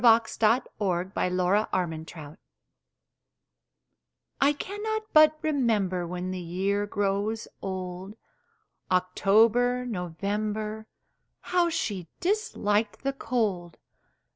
When the Year Grows Old I CANNOT but remember When the year grows old October November How she disliked the cold!